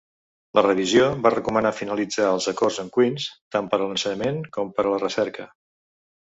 La revisió va recomanar finalitzar els acords amb Queen's, tant per a l'ensenyament com per a la recerca.